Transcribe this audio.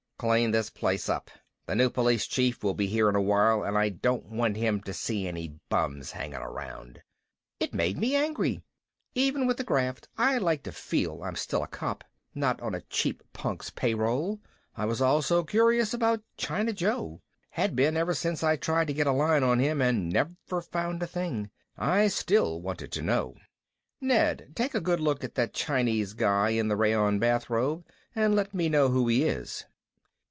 "Clean this place up. The new police Chief will be here in a while and I don't want him to see any bums hanging around." It made me angry. Even with the graft I like to feel I'm still a cop. Not on a cheap punk's payroll. I was also curious about China Joe. Had been ever since I tried to get a line on him and never found a thing. I still wanted to know. "Ned, take a good look at that Chinese guy in the rayon bathrobe and let me know who he is."